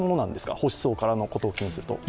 保守層のことを気にすると。